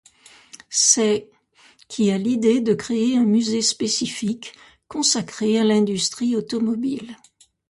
C'est qui a l'idée de créer un musée spécifique, consacré à l'industrie automobile.